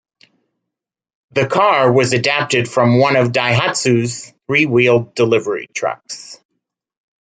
The car was adapted from one of Daihatsu's three-wheeled delivery trucks.